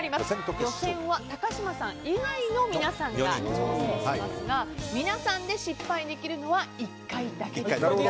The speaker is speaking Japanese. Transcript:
予選は高嶋さん以外の皆さんが挑戦しますが皆さんで失敗できるのは１回だけです。